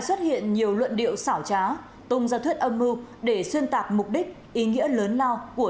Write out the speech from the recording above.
xuất hiện nhiều luận điệu xảo trá tung ra thuyết âm mưu để xuyên tạp mục đích ý nghĩa lớn lao của